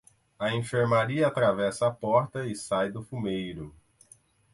A enfermaria atravessa a porta e sai do fumeiro.